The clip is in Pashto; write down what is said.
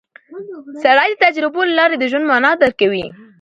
سړی د تجربو له لارې د ژوند مانا درک کوي